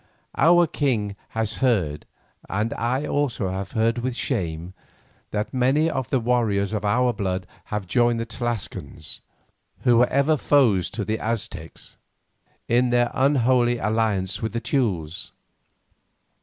Our king has heard, and I also have heard with shame, that many of the warriors of our blood have joined the Tlascalans, who were ever foes to the Aztecs, in their unholy alliance with the Teules.